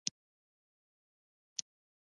پاچا خپل کارکوونکي په مډالونو باندې ونازوه.